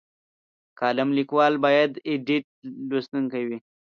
کالم لیکوال باید ابډیټ لوستونکی وي.